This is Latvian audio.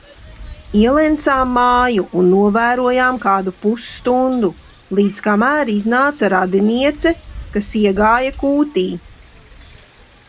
Ielencām māju un novērojām kādu pusstundu, līdz kamēr iznāca radiniece, kas iegāja kūti.